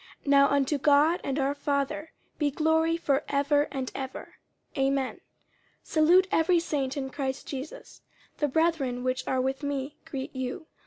50:004:020 Now unto God and our Father be glory for ever and ever. Amen. 50:004:021 Salute every saint in Christ Jesus. The brethren which are with me greet you.